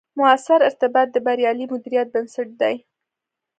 مؤثر ارتباط، د بریالي مدیریت بنسټ دی